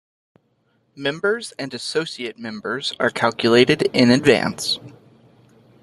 Members and associate members are calculated in advance.